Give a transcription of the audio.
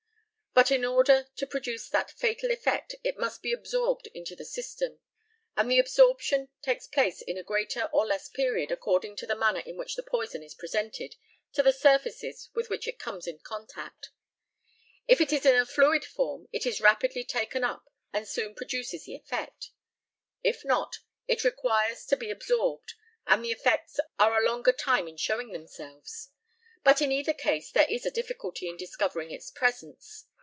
But in order to produce that fatal effect it must be absorbed into the system, and the absorption takes place in a greater or less period according to the manner in which the poison is presented to the surfaces with which it comes in contact. If it is in a fluid form it is rapidly taken up and soon produces the effect; if not, it requires to be absorbed, and the effects are a longer time in showing themselves. But in either case there is a difficulty in discovering its presence.